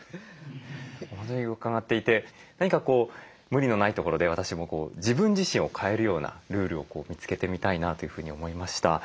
お話伺っていて何かこう無理のないところで私も自分自身を変えるようなルールを見つけてみたいなというふうに思いました。